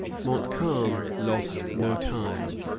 Montcalm lost no time.